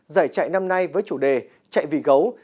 giải chạy năm nay với chủ đề chạy vì gấu